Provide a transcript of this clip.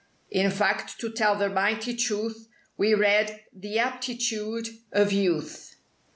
In fact to tell the mighty truth We read—"The Aptitude of Youth!"